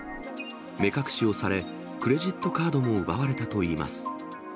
目隠しをされ、クレジットカードも奪われたといいます。